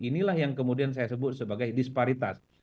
inilah yang kemudian saya sebut sebagai disparitas